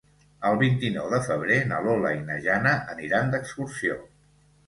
El vint-i-nou de febrer na Lola i na Jana aniran d'excursió.